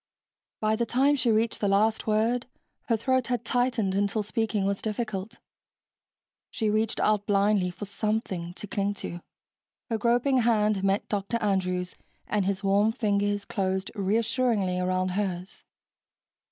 By the time she reached the last word, her throat had tightened until speaking was difficult. She reached out blindly for something to cling to. Her groping hand met Dr. Andrews' and his warm fingers closed reassuringly around hers.